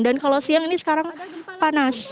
dan kalau siang ini sekarang panas